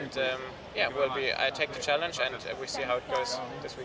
dan ya saya akan menerima tantangan ini dan kita akan lihat bagaimana ini akan berjalan pada minggu ini